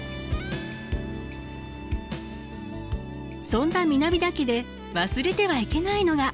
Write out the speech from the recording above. そんな南田家で忘れてはいけないのが。